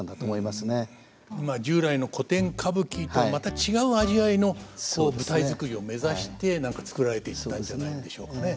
まあ従来の古典歌舞伎とまた違う味わいの舞台作りを目指して何か作られていったんじゃないんでしょうかね。